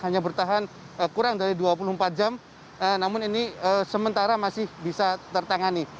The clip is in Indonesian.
hanya bertahan kurang dari dua puluh empat jam namun ini sementara masih bisa tertangani